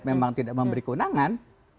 memang tidak memberi keunangan